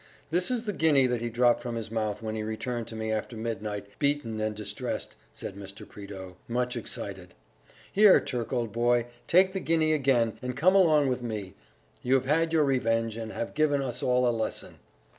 This is the guinea that he dropped from his mouth when he returned to me after midnight, beaten and distressed!" said Mr. Prideaux, much excited. "Here, Turk, old boy, take the guinea again, and come along with me! you have had your revenge, and have given us all a lesson."